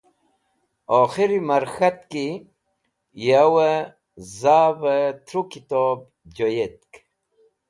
Okhirri mar k̃hat ki yawẽ zavẽ tru trukitob joyetk.